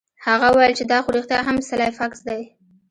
هغه وویل چې دا خو رښتیا هم سلای فاکس دی